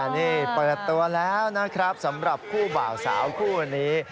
นี่เปิดตัวแล้วนะครับสำหรับคู่บ่าวสาวคู่นี้